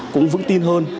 cũng vững tin hơn